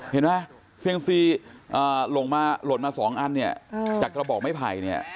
เห็นไหมเซียงซีหล่นมา๒อันเนี่ยจากกระบอกไม้ไผ่เนี่ย